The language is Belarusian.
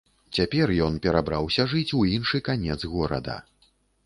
Цяпер ён перабраўся жыць у іншы канец горада.